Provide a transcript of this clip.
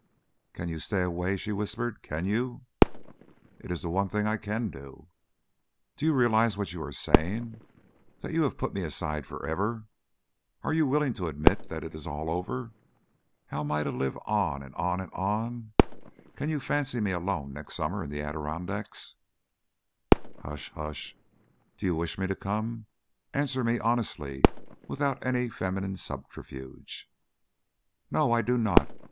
"Can you stay away?" she whispered. "Can you?" "It is the one thing I can do." "Do you realize what you are saying? that you have put me aside for ever? Are you willing to admit that it is all over? How am I to live on and on and on? Can you fancy me alone next summer in the Adirondacks " "Hush! Hush! Do you wish me to come? Answer me honestly, without any feminine subterfuge." "No, I do not."